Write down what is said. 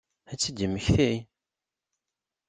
Ad tt-id-yemmekti?